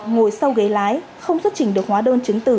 ngồi sau ghế lái không xuất trình được hóa đơn chứng từ